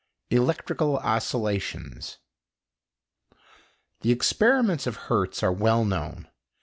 ELECTRICAL OSCILLATIONS The experiments of Hertz are well known.